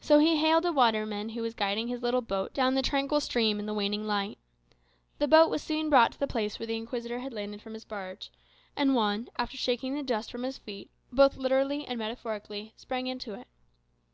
So he hailed a waterman who was guiding his little boat down the tranquil stream in the waning light. The boat was soon brought to the place where the Inquisitor had landed from his barge; and Juan, after shaking the dust from his feet, both literally and metaphorically, sprang into it.